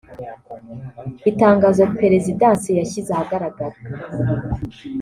Itangazo Perezidansi yashyize ahagaragara